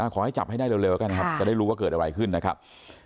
ขอให้จับให้ได้เร็วกันครับจะได้รู้ว่าเกิดอะไรขึ้นนะครับ